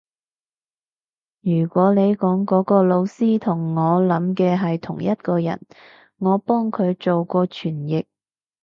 如果你講嗰個老師同我諗嘅係同一個人，我幫佢做過傳譯